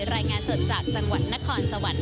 รายงานสดจากจังหวัดนครสวรรค์